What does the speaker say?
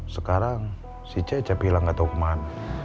sekarang si ceca hilang gak tau kemana